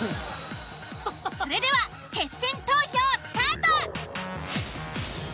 それでは決選投票スタート！